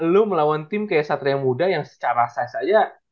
lu melawan tim kayak satria muda yang secara size aja